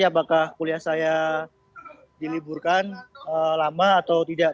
apakah kuliah saya diliburkan lama atau tidak